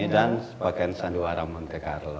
dan pakaian sanduara monte carlo